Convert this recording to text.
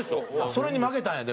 それに負けたんやで？